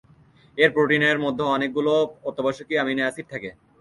এর প্রোটিনের মধ্যে অনেকগুলো অত্যাবশ্যকীয় অ্যামিনো অ্যাসিড থাকে।